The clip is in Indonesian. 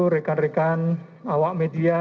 rekan rekan awak media